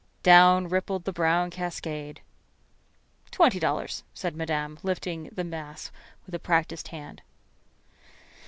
Down rippled the brown cascade. "Twenty dollars," said Madame, lifting the mass with a practiced hand.